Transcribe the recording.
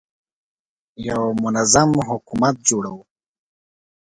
یو منظم حکومت جوړوو.